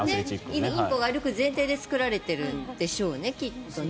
インコが歩く前提で作られているんでしょうね。